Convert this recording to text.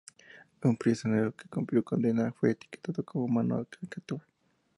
Un prisionero que cumplió condena fue etiquetado como "Mano de Cacatúa".